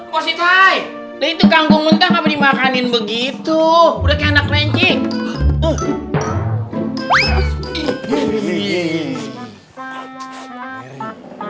posisi itu kangkung mentah apa dimakanin begitu udah anak rencik